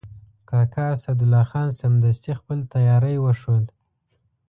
کاکا اسدالله خان سمدستي خپل تیاری وښود.